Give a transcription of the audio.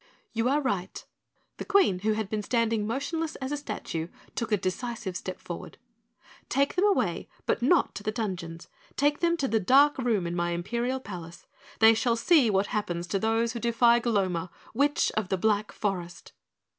"You are right." The Queen, who had been standing motionless as a statue, took a decisive step forward. "Take them away, but not to the dungeons! Take them to the dark room in my imperial palace. They shall see what happens to those who defy Gloma, Witch of the Black Forest."